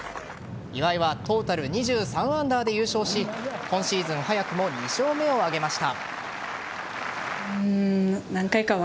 岩井はトータル２３アンダーで優勝し今シーズン早くも２勝目を挙げました。